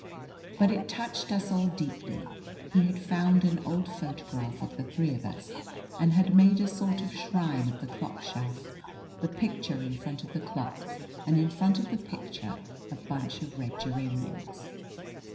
But it touched us all deeply he had found an old photograph of the three of us and had made a sort of shrine of the clock shelf the picture in front of the clock and in front of the picture a bunch of red geraniums.